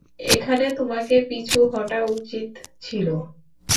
এখানে তোমাকে পিছু হটা উচিত ছিল।